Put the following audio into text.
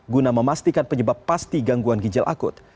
guna memastikan penyebab pasti gangguan ginjal akut